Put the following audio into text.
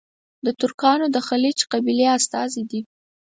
د ترکانو د خیلیچ قبیلې استازي دي.